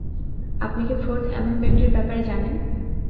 আপনি কি ফোর্থ অ্যামেন্ডমেন্ডের ব্যাপারে জানেন?